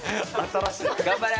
頑張れ！